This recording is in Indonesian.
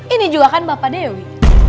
ini juga kan bapak dewi